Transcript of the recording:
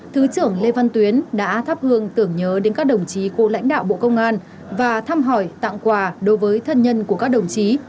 thứ trưởng lê văn tuyến đã thắp hương tưởng nhớ đến các đồng chí cô lãnh đạo bộ công an và thăm hỏi tặng quà đối với thân nhân của các đồng chí